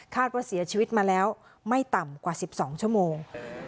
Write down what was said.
ว่าเสียชีวิตมาแล้วไม่ต่ำกว่า๑๒ชั่วโมง